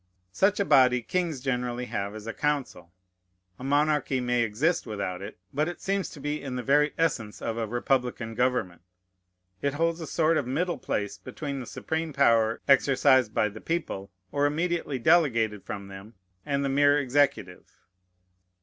Such a body kings generally have as a council. A monarchy may exist without it; but it seems to be in the very essence of a republican government. It holds a sort of middle place between the supreme power exercised by the people, or immediately delegated from them, and the mere executive.